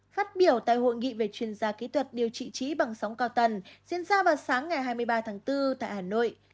phát biểu tại hội nghị về chuyên gia kỹ thuật điều trị trí bằng sóng cao tần diễn ra vào sáng ngày hai mươi ba tháng bốn tại hà nội